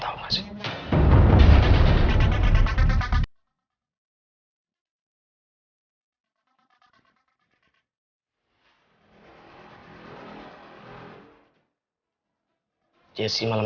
kita sudah selesai pelajaran